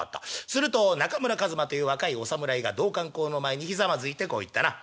すると中村かずまという若いお侍が道灌公の前にひざまずいてこう言ったな。